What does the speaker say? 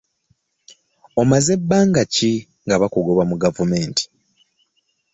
Omaze bbanga ki nga bakugoba mu gavumenti?